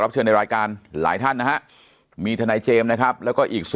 เชิญในรายการหลายท่านนะฮะมีทนายเจมส์นะครับแล้วก็อีก